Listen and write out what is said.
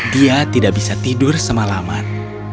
dia tidak bisa tidur semalaman